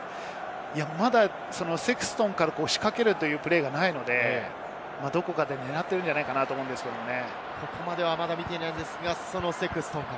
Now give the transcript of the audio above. まだセクストンから仕掛けるというプレーがないので、どこかで狙っているんじゃないかと思うんですけれどね。